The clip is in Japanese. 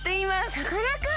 さかなクン！？